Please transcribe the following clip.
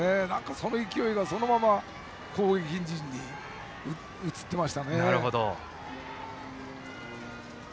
その勢いがそのまま攻撃陣に移ってましたね。